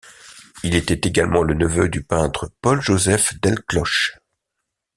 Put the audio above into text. Il était également le neveu du peintre Paul-Joseph Delcloche.